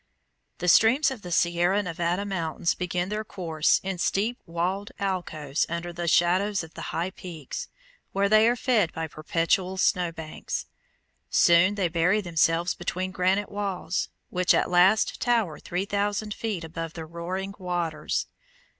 The streams of the Sierra Nevada mountains begin their course in steep walled alcoves under the shadows of the high peaks, where they are fed by perpetual snow banks. Soon they bury themselves between granite walls, which at last tower three thousand feet above their roaring waters.